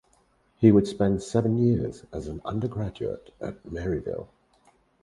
He would spend seven years as an undergraduate at Maryville.